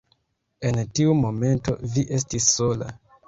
En tiu momento, vi estis sola.